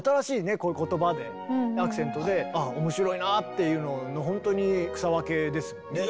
こういう言葉でアクセントであぁ面白いなっていうのの本当に草分けですもんね。